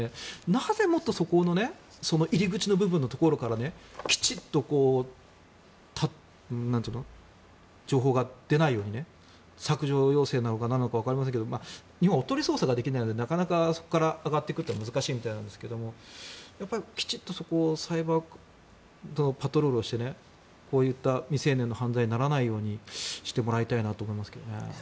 なぜ、もっとその入り口の部分のところからきちっと情報が出ないように削除要請なのかなんなのかわかりませんが日本はおとり捜査ができないのでそこから上がっていくというのは難しいみたいなんですがきちんとサイバーパトロールをしてこういう未成年の犯罪にならないようにしてもらいたいなと思いますけどね。